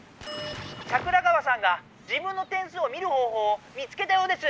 桜川さんが自分の点数を見るほうほうを見つけたようです。